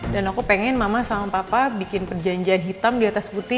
dan aku pengen mama sama papa bikin perjanjian hitam di atas putih